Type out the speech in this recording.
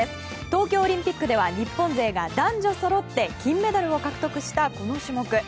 東京オリンピックでは日本勢が男女そろって金メダルを獲得したこの種目。